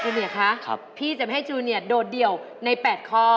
จูเนียร์คะพี่จะไม่ให้จูเนียร์โดดเดี่ยวในแปดคอ